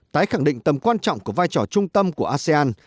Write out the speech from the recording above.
tái khẳng định tầm quan trọng của vai trò trung tâm của asean